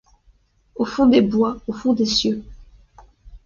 Au fond des bois, au fond des cieux !